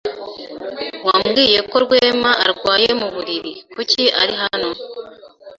Wambwiye ko Rwema arwaye mu buriri. Kuki ari hano?